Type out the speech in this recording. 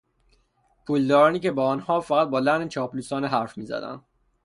پولدارانی که با آنها فقط با لحن چاپلوسانه حرف میزدند